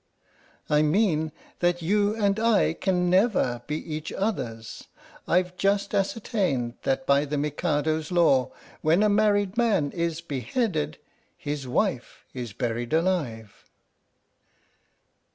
" I mean that you and I can never be each other's. I've just ascertained that by the Mikado's law, when a married man is beheaded, his wife is buried alive